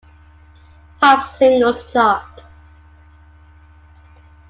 Pop Singles chart.